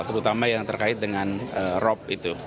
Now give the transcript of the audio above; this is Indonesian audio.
terutama yang terkait dengan rop